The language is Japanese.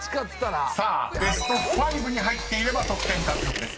［さあベスト５に入っていれば得点獲得です。